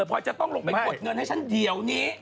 แต่พี่จะลงไปกดเงินให้ฉันเต็มเงินเลย